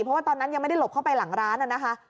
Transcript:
เพราะว่าตอนนั้นยังไม่ได้หลบเข้าไปหลังร้านน่ะนะคะ